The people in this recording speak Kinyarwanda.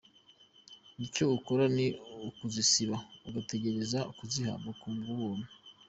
Icyo ukora ni ukuzisaba ugategereza kuzihabwa ku bw’ubuntu.